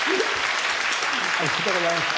ありがとうございます。